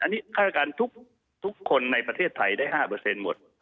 อันนี้ข้าระการทุกคนในประเทศไทยได้๕เปอร์เซ็นต์หมด